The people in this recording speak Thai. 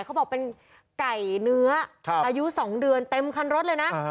เขาบอกเป็นไก่เนื้ออายุ๒เดือนเต็มคันรถเลยนะ